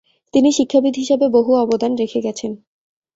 তিনি শিক্ষাবিদ হিসাবে বহু অবদান রেখে গেছেন।